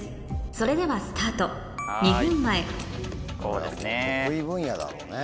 それではスタート２分前得意分野だろうね。